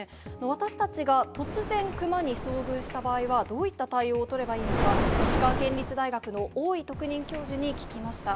私たちが突然クマに遭遇した場合は、どういった対応を取ればいいのか、石川県立大学の大井特任教授に聞きました。